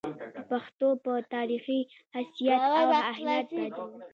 د پښتو پۀ تاريخي حېثيت او اهميت باندې